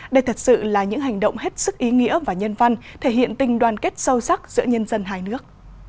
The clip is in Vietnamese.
đây thật sự là những hành động hết sức ý nghĩa và nhân văn thể hiện tình đoàn kết sâu sắc giữa nhân dân hai nước